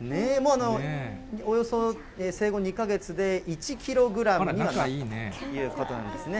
もうおよそ生後２か月で１キログラムということなんですね。